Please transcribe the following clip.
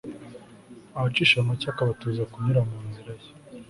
abacisha make akabatoza kunyura mu nzira ye